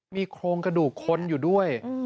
มีโครงกระดูกคนอยู่ด้วย